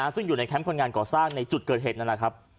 ซึ่งอยู่ในแคมป์คนงานก่อสร้างในจุดเกิดเหตุนั่นแหละครับ